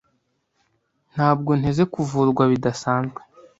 Ntabwo nteze kuvurwa bidasanzwe.